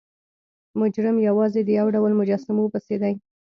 مجرم یوازې د یو ډول مجسمو پسې دی.